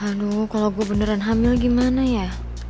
aduh kalau gue beneran hamil gimana ya